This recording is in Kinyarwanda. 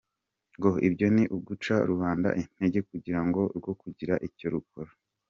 Ngo ibyo ni uguca rubanda intege kugirango rwo kugira icyo rukora.